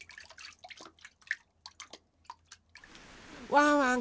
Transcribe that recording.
ワンワン